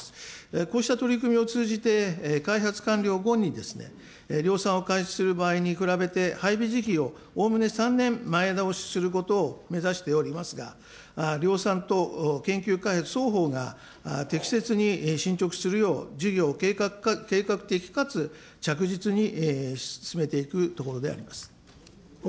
こうした取り組みを通じて、開発完了後に量産を開始する場合に比べて、配備時期をおおむね３年前倒しすることを目指しておりますが、量産と研究開発双方が適切に進ちょくするよう、事業を計画的かつ着実に進めていくところであります。